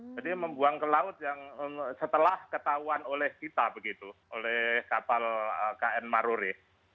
jadi membuang ke laut yang setelah ketahuan oleh kita begitu oleh kapal kn maruri